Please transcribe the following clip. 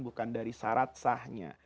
bukan dari syarat sahnya